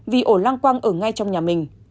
vì ổ lang quang ở ngay trong nhà mình